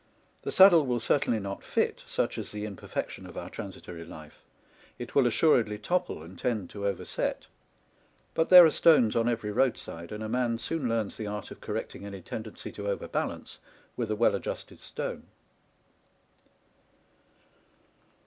The saddle will certainly not fit, such is the imperfection of our transitory life ; it will assuredly topple and tend to overset ; but there are stones on every roadside, and a man soon learns the art of correcting any tendency to over balance with a well adjusted stone.